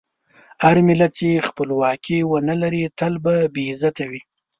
هر ملت چې خپلواکي ونه لري، تل به بې عزته وي.